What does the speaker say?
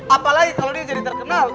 apalagi kalau dia jadi terkenal